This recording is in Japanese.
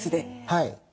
はい。